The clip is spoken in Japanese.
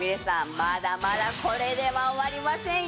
まだまだこれでは終わりませんよ。